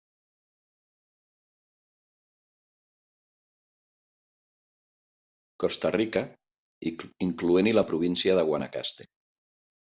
Costa Rica, incloent-hi la província de Guanacaste.